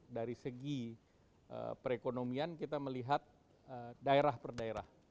dari segi perekonomian kita melihat daerah per daerah